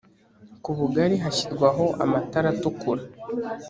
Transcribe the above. kubugali hashyirwaho amatara atukura